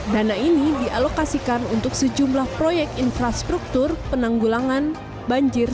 dana ini dialokasikan untuk sejumlah proyek infrastruktur penanggulangan banjir